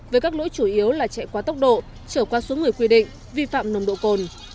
với các lỗi chủ yếu là chạy qua tốc độ trở qua số người quy định vi phạm nồng độ cồn